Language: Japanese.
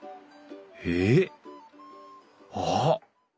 ええっあっ！